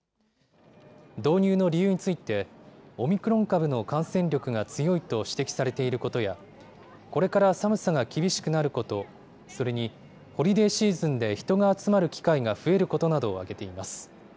導入の理由について、オミクロン株の感染力が強いと指摘されていることや、これから寒さが厳しくなること、それにホリデーシーズンで人が集まる機会が増えることなどを挙げています。